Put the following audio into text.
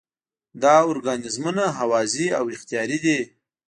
دا ارګانیزمونه هوازی او اختیاري دي.